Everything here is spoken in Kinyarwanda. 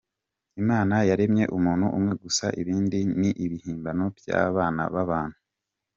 Imana yaremye umuntu umwe gusa ibindi ni ibihimbano by’abana b’abantu.